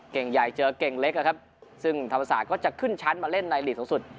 เก่งใหญ่เจอเก่งเล็กนะครับซึ่งธรรมศาสตร์ก็จะขึ้นชั้นมาเล่นในหลีกสูงสุด